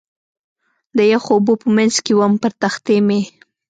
د یخو اوبو په منځ کې ووم، پر تختې مې.